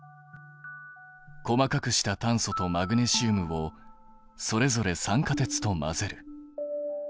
細かくした炭素とマグネシウムをそれぞれ酸化鉄と混ぜる。